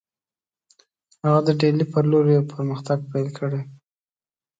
هغه د ډهلي پر لور یې پرمختګ پیل کړی.